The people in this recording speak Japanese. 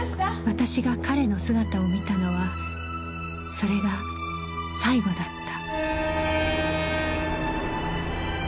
私が彼の姿を見たのはそれが最後だった